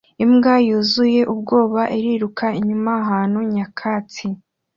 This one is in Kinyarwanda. Imbwa yuzuye ubwoya iriruka inyuze ahantu nyakatsi